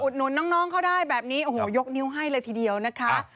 หนุนน้องเขาได้แบบนี้โอ้โหยกนิ้วให้เลยทีเดียวนะคะ